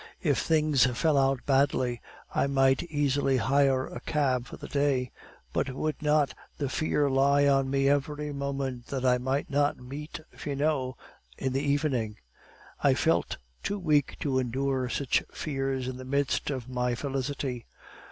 If things fell out badly, I might easily hire a cab for the day; but would not the fear lie on me every moment that I might not meet Finot in the evening? I felt too weak to endure such fears in the midst of my felicity.